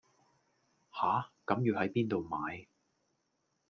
吓,咁要係邊到買